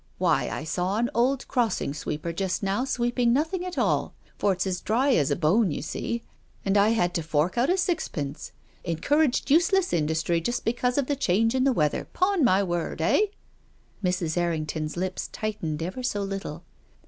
Why, I saw an old crossing sweeper just now sweeping nothing at all — for it's as dry as a bone, you see — and I had to fork out a sixpence ; encouraged useless industry just be cause of the change in the weather, 'pon my word, eh ?•• Mrs. Errington's lips tightened ever so little.